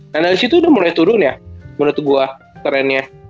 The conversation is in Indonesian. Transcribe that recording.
nah dari situ udah mulai turun ya menurut gue trendnya